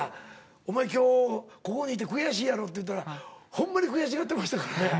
「お前今日ここにいて悔しいやろ」って言ったらほんまに悔しがってましたからね。